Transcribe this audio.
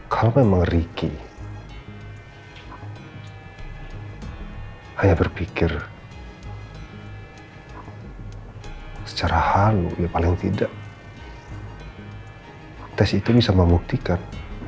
kalau memang ricky hanya berpikir secara halu ya paling tidak tes itu bisa membuktikan